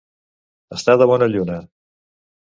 Estar de bona lluna.